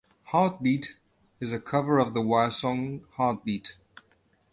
"Heartbeat" is a cover of the Wire song "Heartbeat".